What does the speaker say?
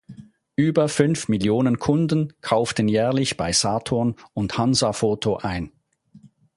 Über fünf Millionen Kunden kauften jährlich bei Saturn und Hansa-Foto ein.